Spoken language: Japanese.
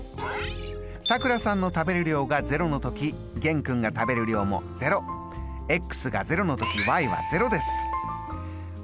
さくらさんの食べる量が０の時玄君が食べる量も０。が０の時は０です。